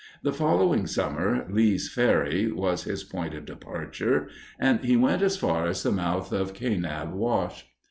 The following summer Lee's Ferry was his point of departure and he went as far as the mouth of Kanab Wash.